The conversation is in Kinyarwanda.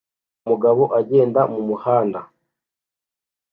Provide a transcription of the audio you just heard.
Umugabo agenda mumuhanda